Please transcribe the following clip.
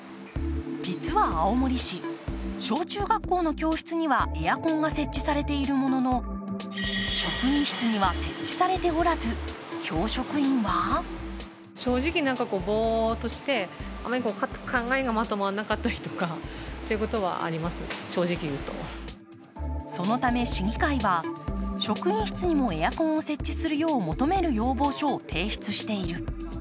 実は青森市、小中学校の教室にはエアコンが設置されているものの、職員室には、設置されておらず教職員はそのため市議会は職員室にもエアコンを設置するよう求める要望書を提出している。